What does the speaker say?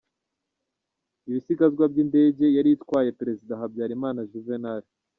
Ibisigazwa by’Indege yari itwaye perezida Habyarimana Juvenal